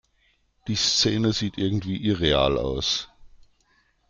Die Szene sieht irgendwie irreal aus.